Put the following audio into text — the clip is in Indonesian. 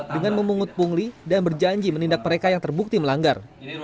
dengan memungut pungli dan berjanji menindak mereka yang terbukti melanggar